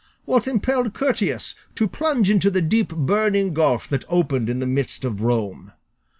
What impelled Curtius to plunge into the deep burning gulf that opened in the midst of Rome?